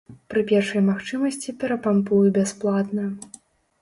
Пры першай магчымасці перапампую бясплатна.